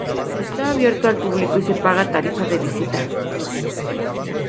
Está abierto al público y se paga tarifa de visita.